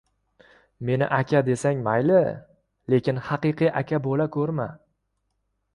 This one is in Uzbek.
• Meni aka desang mayli, lekin haqiqiy aka bo‘la ko‘rma.